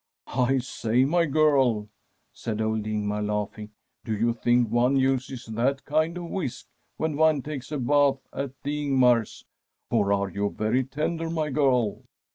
* I say, my girl,' said old Ingmar, laughing, * do you think one uses that kind of whisk when one takes a bath at the Ingmar's, or are you very tender, my girl